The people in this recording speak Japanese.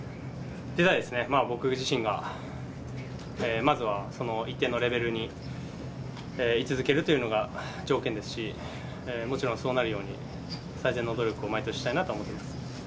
僕自身がまずはその一定のレベルにい続けるというのが条件ですし、もちろんそうなるように、最善の努力を、毎年したいなとは思ってます。